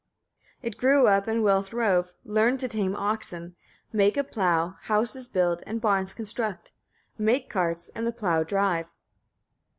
19. It grew up, and well throve; learned to tame oxen, make a plough, houses build, and barns construct, make carts, and the plough drive.